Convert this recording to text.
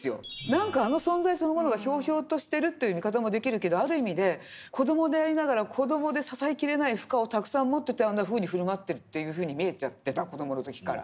何かあの存在そのものがひょうひょうとしてるという見方もできるけどある意味で子どもでありながら子どもで支えきれない負荷をたくさん持っててあんなふうに振る舞ってるというふうに見えちゃってた子どもの時から。